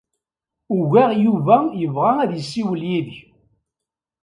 Ugaɣ Yuba yebɣa ad yessiwel yid-k.